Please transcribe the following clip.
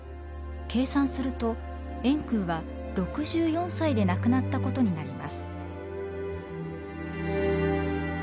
計算すると円空は６４歳で亡くなったことになります。